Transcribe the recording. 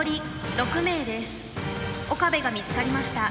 岡部が見つかりました。